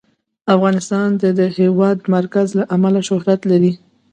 افغانستان د د هېواد مرکز له امله شهرت لري.